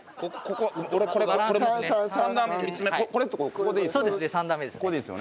ここでいいですか？